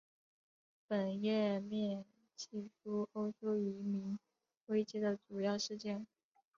本页面记叙欧洲移民危机的主要事件。